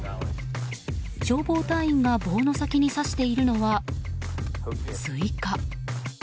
消防隊員が棒の先に刺しているのは、スイカ。